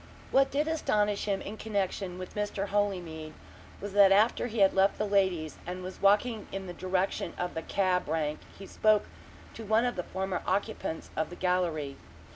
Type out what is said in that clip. What did astonish him in connection with Mr. Holymead was that after he had left the ladies and was walking in the direction of the cab rank he spoke to one of the former occupants of the gallery.